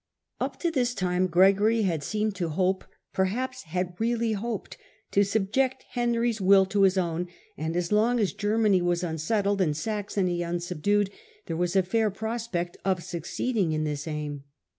Up to this time Gregory had seemed to hope, per is had really hoped, to subject Henry's will to his own. Beginning and as loug as Germany was unsettled and sionb^ween Saxouy uusubduod, there was a fair prospect theKSg"^ of succeeding in this aim.